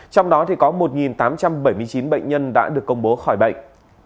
trong đó có một tám trăm bảy mươi chín bệnh nhân đã được công bố khỏi bệnh